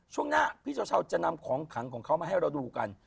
ช่วงหน้าพี่เช้าจะนำของขังของเขามาให้เราดูกัน